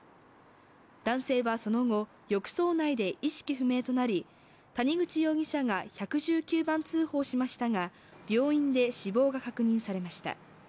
男性はその後、浴槽内で意識不明となり、谷口容疑者が１１９番通報しましたが病院で死亡が確認されました。